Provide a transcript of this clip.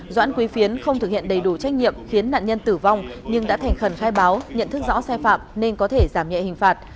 doãn quý phiến không thực hiện đầy đủ trách nhiệm khiến nạn nhân tử vong nhưng đã thành khẩn khai báo nhận thức rõ sai phạm nên có thể giảm nhẹ hình phạt